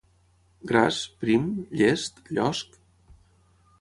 Gras? prim? llest? llosc?